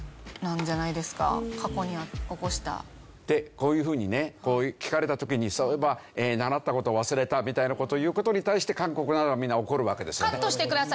こういうふうにねこう聞かれた時に「そういえば習った事を忘れた」みたいな事を言う事に対して韓国側がみんな怒るわけですよね。